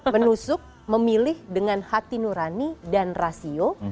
menusuk memilih dengan hati nurani dan rasio